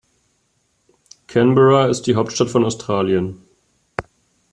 Canberra ist die Hauptstadt von Australien.